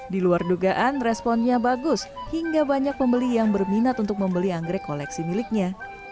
di luar dugaan responnya bagus hingga banyak pembeli yang berminat untuk membeli anggrek koleksi miliknya